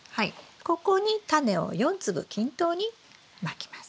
ここにタネを４粒均等にまきます。